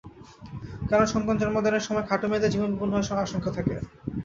কারণ, সন্তান জন্মদানের সময় খাটো মেয়েদের জীবন বিপন্ন হওয়ার আশঙ্কা থাকে।